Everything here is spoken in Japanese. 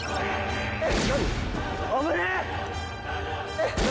危ねえ！何？